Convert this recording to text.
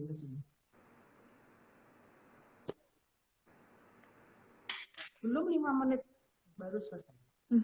belum lima menit baru selesai